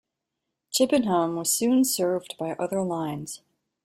Chippenham was soon served by other lines.